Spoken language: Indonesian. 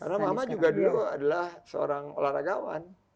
karena mama juga dulu adalah seorang olahragawan